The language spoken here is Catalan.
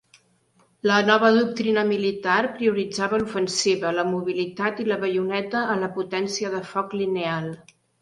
La nova doctrina militar prioritzava l'ofensiva, la mobilitat i la baioneta a la potència de foc lineal.